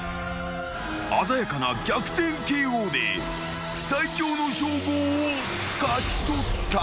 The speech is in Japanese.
［鮮やかな逆転ＫＯで最強の称号を勝ち取った］